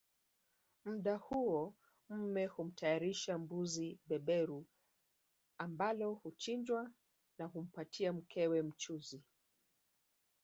Muda huo mume hutayarisha mbuzi beberu ambalo huchinjwa na humpatia mkewe mchuzi